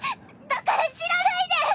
だから死なないで！